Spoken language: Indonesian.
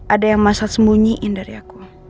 ada yang masih sembunyiin dari aku